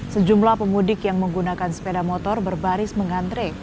sejumlah pemudik yang menggunakan sepeda motor berbaris mengantre